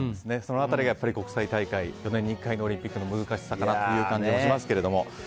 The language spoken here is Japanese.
その辺りが国際大会４年に１回のオリンピックの難しさかなという感じもしますけども。